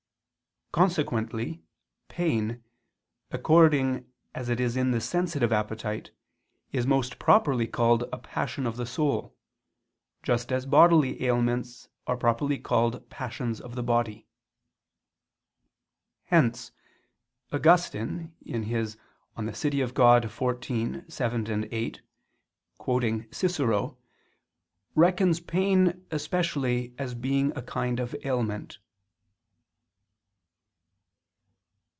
Consequently pain, according as it is in the sensitive appetite, is most properly called a passion of the soul: just as bodily ailments are properly called passions of the body. Hence Augustine (De Civ. Dei xiv, 7, 8 [*Quoting Cicero]) reckons pain especially as being a kind of ailment.